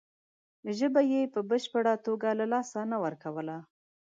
ژبه یې په بشپړه توګه له لاسه نه ورکوله.